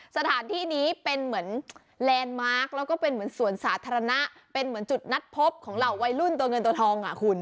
สถานที่นี้เป็นเหมือนแลนด์มาร์คแล้วก็เป็นเหมือนสวนสาธารณะเป็นเหมือนจุดนัดพบของเหล่าวัยรุ่นตัวเงินตัวทองอ่ะคุณ